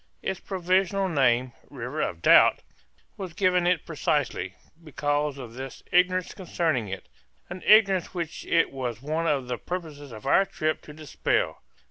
Its provisional name "River of Doubt" was given it precisely because of this ignorance concerning it; an ignorance which it was one of the purposes of our trip to dispel.